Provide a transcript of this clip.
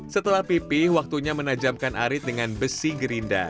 setelah pipih waktunya menajamkan arit dengan besi gerinda